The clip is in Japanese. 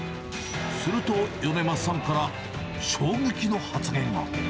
すると、米桝さんから衝撃の発言が。